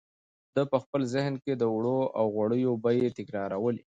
ده په خپل ذهن کې د اوړو او غوړیو بیې تکرارولې.